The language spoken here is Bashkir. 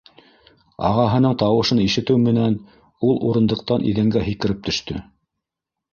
— Ағаһының тауышын ишетеү менән ул урындыҡтан иҙәнгә һикереп төштө.